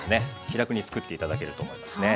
気楽に作って頂けると思いますね。